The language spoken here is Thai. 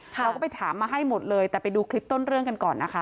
เราก็ไปถามมาให้หมดเลยแต่ไปดูคลิปต้นเรื่องกันก่อนนะคะ